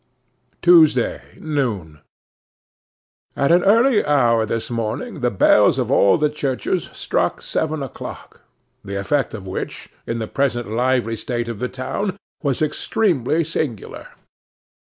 'Tuesday, noon. 'AT an early hour this morning the bells of all the churches struck seven o'clock; the effect of which, in the present lively state of the town, was extremely singular.